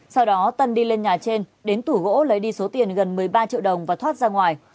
sau đó tân đi lên nhà trên đến tủ gỗ lấy đi số tiền gần một mươi ba triệu đồng và thoát ra ngoài